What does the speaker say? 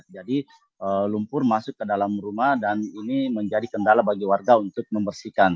jadi lumpur masuk ke dalam rumah dan ini menjadi kendala bagi warga untuk membersihkan